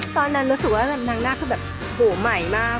ตอนนั้นรู้สึกว่าแบบนางหน้าคือแบบโหใหม่มาก